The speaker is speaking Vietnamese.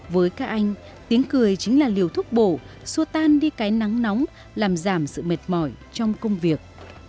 với các anh tiếng cười chính là liều thuốc bổ xua tan đi cái nắng nóng làm giảm sự mệt mỏi trong công việc